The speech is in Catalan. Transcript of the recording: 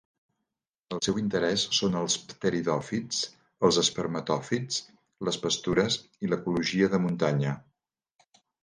El seu interès són els pteridòfits, els espermatòfits, les pastures i l'ecologia de muntanya.